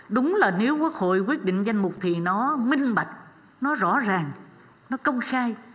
đúng là nếu quốc hội quyết định danh mục thì nó minh bạch nó rõ ràng nó công khai